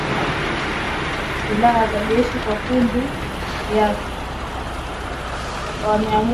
Silaha za jeshi zinashukiwa kuangukia kwenye mikono ya kundi lenye sifa mbaya